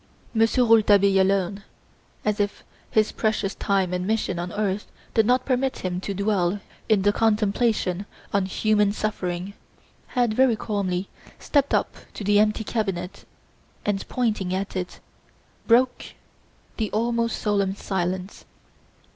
Monsieur Rouletabille alone, as if his precious time and mission on earth did not permit him to dwell in the contemplation on human suffering had, very calmly, stepped up to the empty cabinet and, pointing at it, broke the almost solemn silence.